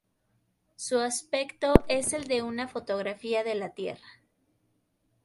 Su aspecto es el de una fotografía de la Tierra.